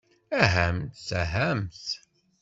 Ahamt, ahamt.